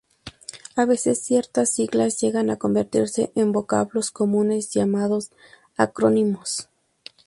A veces ciertas siglas llegan a convertirse en vocablos comunes, llamados acrónimos.